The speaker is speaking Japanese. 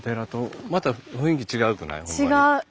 違う。